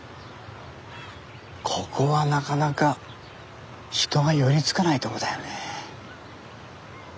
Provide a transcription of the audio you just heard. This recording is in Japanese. ここはなかなか人が寄りつかないとこだよね。